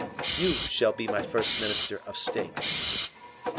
"You shall be my first minister of state."